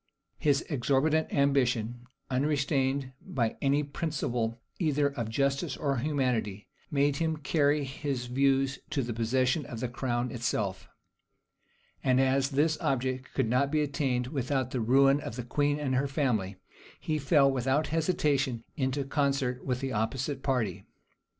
His exorbitant ambition, unrestrained by any principle either of justice or humanity; made him carry his views to the possession of the crown itself; and as this object could not be attained without the ruin of the queen and her family, he fell, without hesitation, into concert with the opposite party.